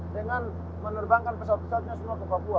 dengan menerbangkan pesawat pesawatnya semua ke papua